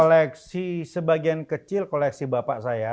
koleksi sebagian kecil koleksi bapak saya